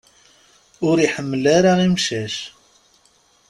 Ur iḥemmel ara imcac.